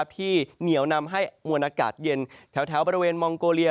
เหนียวนำให้มวลอากาศเย็นแถวบริเวณมองโกเลีย